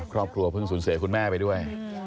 ครอบครัวเพิ่งสูญเสียคุณแม่ไปด้วย